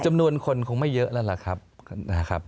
จำนวนคนคงไม่เยอะแล้วล่ะครับ